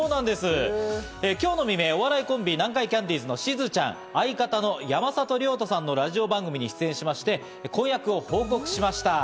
今日の未明、お笑いコンビ・南海キャンディーズのしずちゃん、相方・山里亮太さんのラジオ番組に出演しまして、婚約を報告しました。